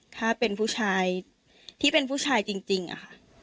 ถ้าเป็นผู้ชายที่เป็นผู้ชายจริงอะค่ะ